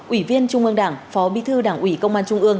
ủy viên trung ương đảng phó bí thư đảng ủy công an trung ương